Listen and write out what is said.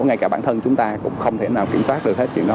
ngay cả bản thân chúng ta cũng không thể nào kiểm soát được hết chuyện đó